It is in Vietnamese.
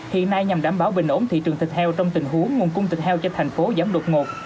hiện nay nhằm đảm bảo bình ổn thị trường thịt heo trong tình huống nguồn cung thịt heo cho thành phố giảm đột ngột